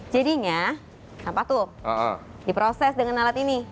jadinya sampah tuh diproses dengan alat ini